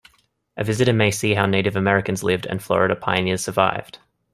A visitor may see how Native Americans lived and Florida pioneers survived.